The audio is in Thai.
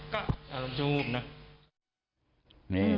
ก็อารมณ์ชูบนะ